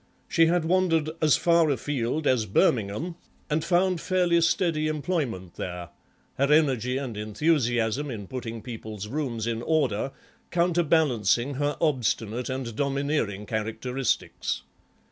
She had wandered as far afield as Birmingham, and found fairly steady employment there, her energy and enthusiasm in putting people's rooms in order counterbalancing her obstinate and domineering characteristics.